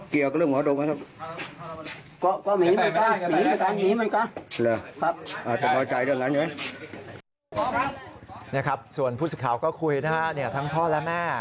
คุณพุทธข่าวก็คุยนะครับทั้งพ่อและแม่